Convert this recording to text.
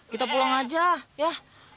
kita pulang aja yah